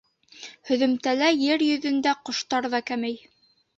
Һөҙөмтәлә Ер йөҙөндә ҡоштар ҙа кәмей.